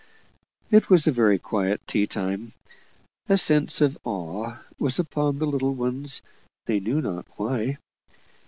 It was a very quiet tea time. A sense of awe was upon the little ones, they knew not why.